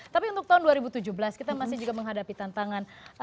tapi untuk tahun dua ribu tujuh belas kita masih juga menghadapi tantangan